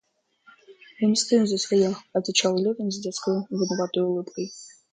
Я не стою за свое, — отвечал Левин с детскою, виноватою улыбкой.